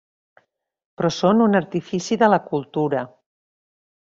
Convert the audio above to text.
Però són un artifici de la cultura.